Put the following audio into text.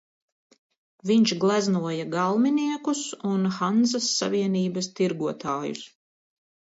Viņš gleznoja galminiekus un Hanzas savienības tirgotājus.